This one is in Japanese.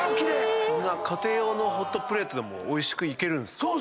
家庭用のホットプレートでおいしくいけるんすか？